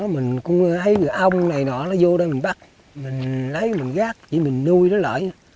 mình cũng thấy người ông này nọ nó vô đây mình bắt mình lấy mình gắt chỉ mình nuôi nó lại